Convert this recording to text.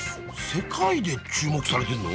世界で注目されてんの？